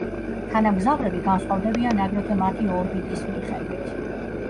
თანამგზავრები განსხვავდებიან აგრეთვე მათი ორბიტის მიხედვით.